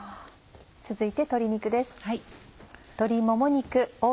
続いて鶏肉です。